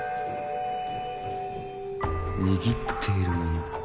握っているもの。